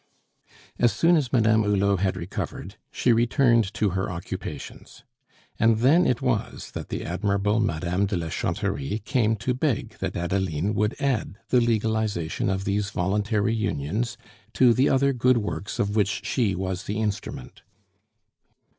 As soon as Madame Hulot had recovered, she returned to her occupations. And then it was that the admirable Madame de la Chanterie came to beg that Adeline would add the legalization of these voluntary unions to the other good works of which she was the instrument.